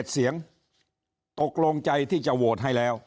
เสียงตกลงใจที่จะโหวตให้แล้ว